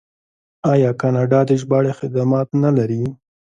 آیا کاناډا د ژباړې خدمات نلري؟